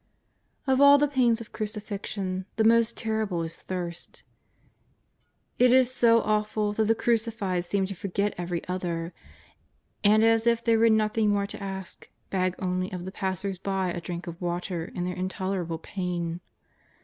Of all the pains of crucifixion, the most terrible is thirst. It is so awful that the crucified seem to forget every other, and, as if there were nothing more to ask, beg only of the passers by a drink of water in their in tolerable pain.